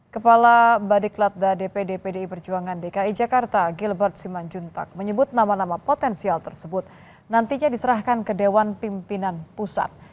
kepala badiklatda dpd pdi perjuangan dki jakarta gilbert simanjuntak menyebut nama nama potensial tersebut nantinya diserahkan ke dewan pimpinan pusat